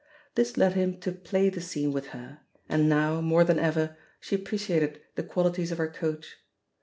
This led him to play the seene with her, and now, more than ever, she appreciated the qualities of her coach.